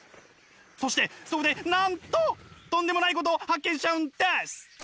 そしてそこでなんととんでもないことを発見しちゃうんです！